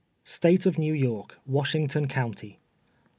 State of New York : Washington County, ss.